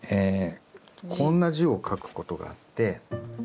こんな字を書くことがあって。